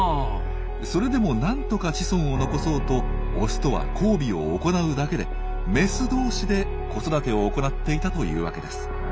それでも何とか子孫を残そうとオスとは交尾を行うだけでメスどうしで子育てを行っていたというわけです。